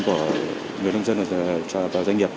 của người nông dân và doanh nghiệp